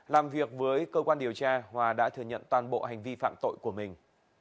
làm việc với cơ quan điều tra hòa đã thừa nhận toàn bộ hành vi phạm tội của mình